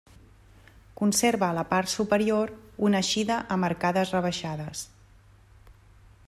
Conserva a la part superior una eixida amb arcades rebaixades.